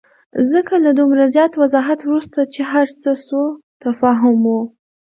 ځکه له دومره زیات وضاحت وروسته چې هرڅه سوءتفاهم وو.